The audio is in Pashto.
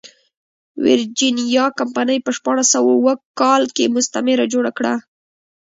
ویرجینیا کمپنۍ په شپاړس سوه اووه کال کې مستعمره جوړه کړه.